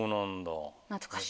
懐かしい。